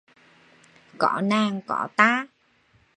Có nàng có ta!